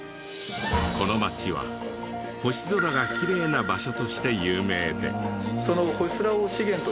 この町は星空がきれいな場所として有名で。